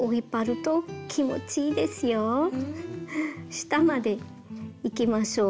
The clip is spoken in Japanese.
下までいきましょう。